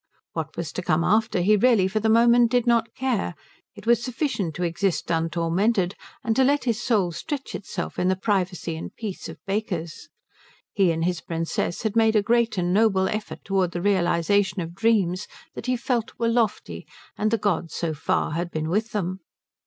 What was to come after he really for the moment did not care. It was sufficient to exist untormented and to let his soul stretch itself in the privacy and peace of Baker's. He and his Princess had made a great and noble effort towards the realization of dreams that he felt were lofty, and the gods so far had been with them.